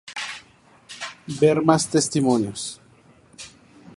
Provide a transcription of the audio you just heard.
Ver más testimonios